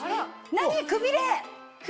何くびれ！